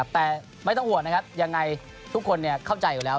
แต่ไม่ต้องห่วงนะครับยังไงทุกคนเข้าใจอยู่แล้ว